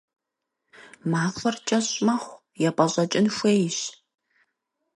Махуэр кӏэщӏ мэхъу, епӏэщӏэкӏын хуейщ.